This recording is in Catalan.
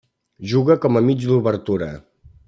Juga com a mig d'obertura.